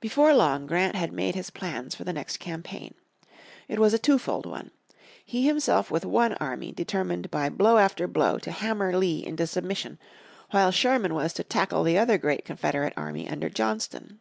Before long Grant had made his plans for the next campaign. It was a twofold one. He himself with one army determined by blow after blow to hammer Lee into submission while Sherman was to tackle the other great Confederate army under Johnston.